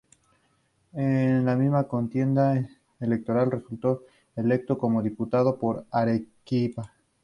En la misma contienda electoral resultó electo como Diputado por Arequipa.